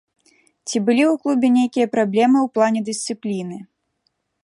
Ці былі ў клубе нейкія праблемы ў плане дысцыпліны?